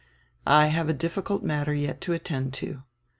"I have a difficult matter yet to attend to."